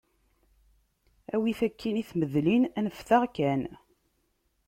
Awi-t akkin i tmedlin, anfet-aɣ kan.